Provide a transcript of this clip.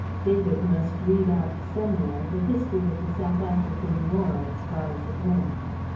David must read up somewhere the history of the South African War as far as it went.